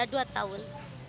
sudah dua tahun